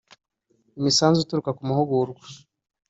Imisanzu ituruka ku mahugurwa